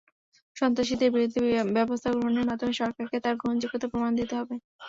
সন্ত্রাসীদের বিরুদ্ধে ব্যবস্থা গ্রহণের মাধ্যমে সরকারকে তার গ্রহণযোগ্যতার প্রমাণ দিতে হবে।